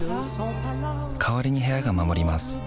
代わりに部屋が守ります